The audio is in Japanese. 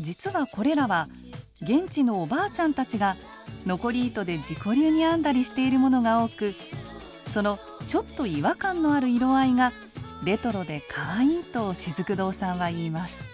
実はこれらは現地のおばあちゃんたちが残り糸で自己流に編んだりしているものが多くそのちょっと違和感のある色合いがレトロでかわいいとしずく堂さんは言います。